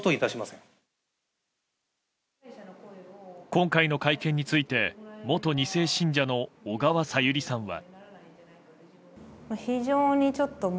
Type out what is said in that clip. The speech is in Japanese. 今回の会見について元２世信者の小川さゆりさんは。